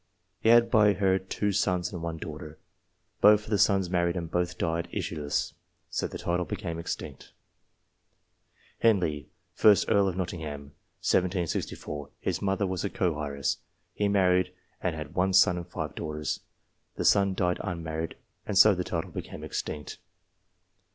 He had by her two sons and one daughter. Both of the sons married, and both died issueless, so the title became extinct. Henley, 1st Earl of Northington (1764). His mother was a co heiress. He married, and had one son and five daughters. The son died unmarried, and so the title became extinct.